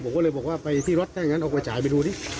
ผมก็เลยบอกว่าไปที่รถถ้าอย่างนั้นเอาไปจ่ายไปดูดิ